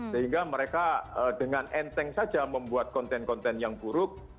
sehingga mereka dengan enteng saja membuat konten konten yang buruk